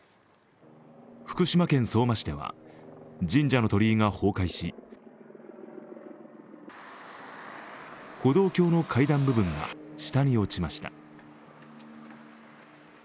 福島県相馬市では、神社の鳥居が崩壊し歩道橋の階段部分が下に落ちました。